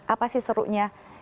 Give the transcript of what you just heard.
apa sih serunya